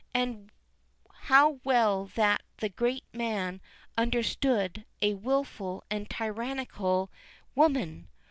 And how well that great man understood a wilful and tyrannical woman!